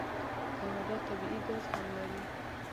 کاناډا طبیعي ګاز هم لري.